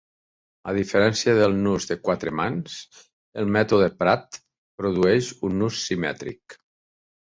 A diferència del nus de quatre mans, el mètode Pratt produeix un nus simètric.